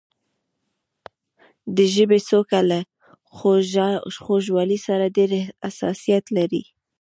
د ژبې څوکه له خوږوالي سره ډېر حساسیت لري.